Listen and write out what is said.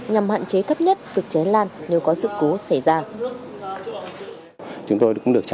nhằm hạn chế thấp nhất việc cháy lan nếu có sự cố xảy ra